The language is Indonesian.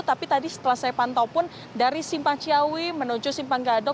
tapi tadi setelah saya pantau pun dari simpang ciawi menuju simpang gadok